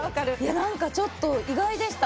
何かちょっと意外でした。